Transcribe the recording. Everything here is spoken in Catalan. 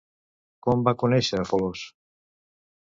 Com va conèixer a Folos?